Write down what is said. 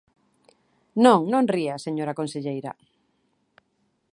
Non, non ría, señora conselleira.